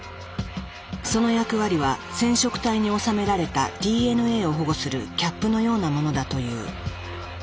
その役割は染色体に収められたＤＮＡを保護するキャップのようなものだという。